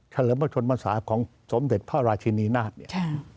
ฉลิบมธรรมศาสตร์ของสมเศรษฐ์พระราชินีนาท